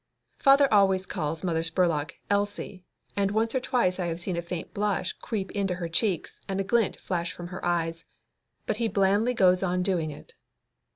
Father always calls Mother Spurlock "Elsie," and once or twice I have seen a faint blush creep to her cheeks and a glint flash from her eyes, but he blandly goes on doing it.